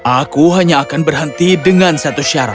aku hanya akan berhenti dengan satu syarat